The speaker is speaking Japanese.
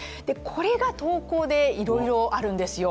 これが投稿で、いろいろあるんですよ。